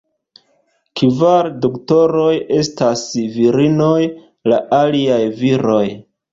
Kvar Doktoroj estas virinoj, la aliaj viroj.